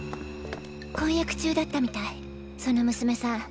婚約中だったみたいその娘さん。